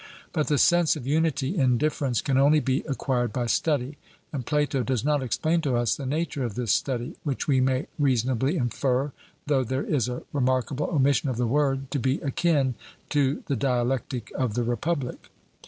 But the sense of unity in difference can only be acquired by study; and Plato does not explain to us the nature of this study, which we may reasonably infer, though there is a remarkable omission of the word, to be akin to the dialectic of the Republic.